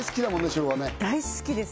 昭和ね大好きですね